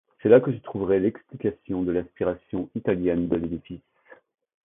C’est là que se trouverait l’explication de l’inspiration italienne de l’édifice.